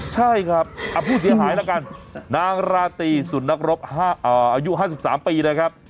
ใช่ครับผู้เสียหายแล้วกันนางราตรีสุดนักรบอายุ๕๓ปีนะครับ